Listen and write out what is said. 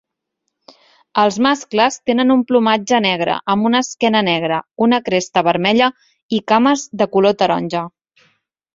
Els mascles tenen un plomatge negre amb una esquena negra, una cresta vermella i cames de color taronja.